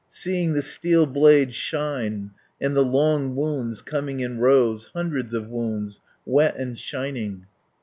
Seeing the steel blade shine, and the long wounds coming in rows, hundreds of wounds, wet and shining."